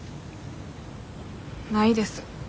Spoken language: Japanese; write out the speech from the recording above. ないです。